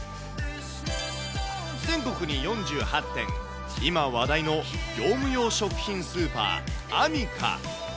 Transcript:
全国に４８店、今、話題の業務用食品スーパー、アミカ。